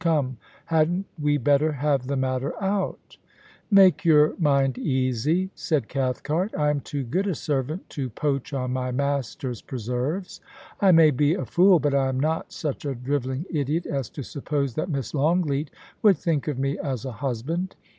Come, hadn't we better have the matter out ?Make your mind easy,' said Cathcart. * I am too good a servant to poach on my master's preserves. I may be a fool, but I am not such a drivelling idiot as to suppose that Miss Longleat would think of me as a husband.